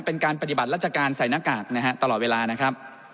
เป็นการปฏิบัติราชการใส่หน้ากากนะฮะตลอดเวลานะครับ